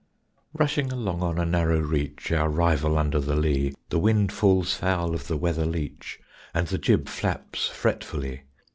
Rushing along on a narrow reach, Our rival under the lee, The wind falls foul of the weather leach, And the jib flaps fretfully.